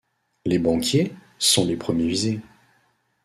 Les banquiers sont les premiers visés.